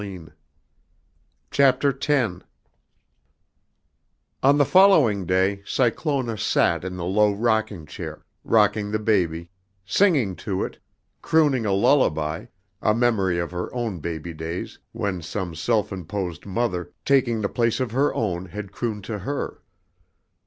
On the following day Cyclona sat in the low rocking chair, rocking the baby, singing to it, crooning a lullaby, a memory of her own baby days when some self imposed mother, taking the place of her own, had crooned to her.